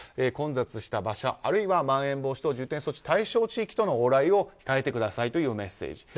混雑した場所あるいはまん延防止等重点措置の対象地域との往来を控えてくださいというメッセージ。